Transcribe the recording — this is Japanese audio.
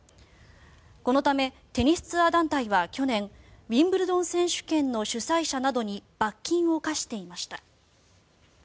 このためテニスツアー団体は去年ウィンブルドン選手権の主催者などに罰金を科していました。